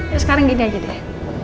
yuk sekarang gini aja deh